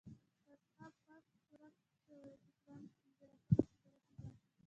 د اصحاب کهف سورت د قران په پنځلسمه سېپاره کې دی.